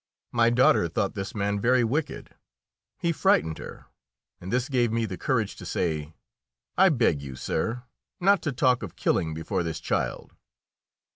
My daughter thought this man very wicked. He frightened her, and this gave me the courage to say, "I beg you, sir, not to talk of killing before this child."